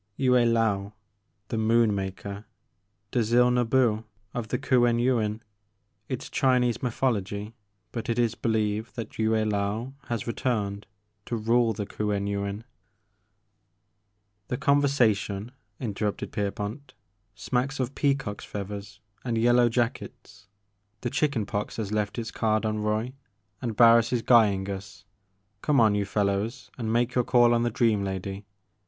'*Yue Laou, — ^the Moon Maker, Dzil Nbu of the Kuen Yuin ;— ^it 's Chinese Mythology, but it is believed that Yue Laou has returned to rule the Kuen Yuin *'The conversation,'* interrupted Pierpont, smacks of peacocks feathers and yellow jackets. The chicken pox has left its card on Roy, and Barris is guying us. Come on, you fellows, and make your call on the dream lady.